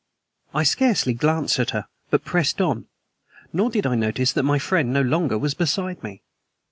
I scarcely glanced at her, but pressed on, nor did I notice that my friend no longer was beside me.